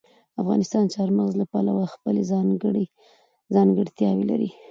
افغانستان د چار مغز له پلوه خپله ځانګړې ځانګړتیاوې لري.